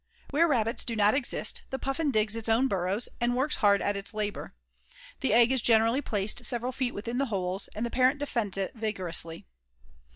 Where Rabbits do not exist, the Puffin digs its own burrows, and works hard at its labor. The egg is generally placed several feet within the holes, and the parent defends it vigorously.